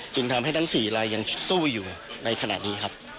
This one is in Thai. จึงทำให้ทั้ง๔ลายยังสู้อยู่ในขณะนี้ครับ